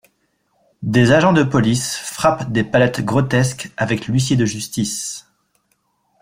Des agents de police frappent des palettes grotesques avec l'huissier de justice...